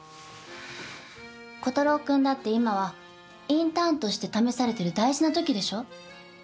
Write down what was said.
炬太郎くんだって今はインターンとして試されてる大事な時でしょ？